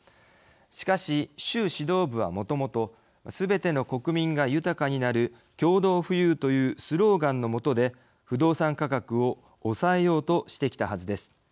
しかし、習指導部はもともとすべての国民が豊かになる共同富裕というスローガンのもとで不動産価格を抑えようとしてきたはずです。